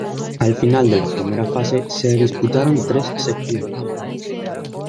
Al final de la primera fase, se disputaron tres seccionesː